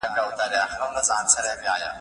وژني د زمان بادونه ژر شمعي.